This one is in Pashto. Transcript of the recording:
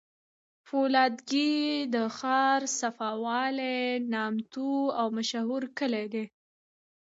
فولادګی د ښارصفا ولسوالی نامتو او مشهوره کلي دی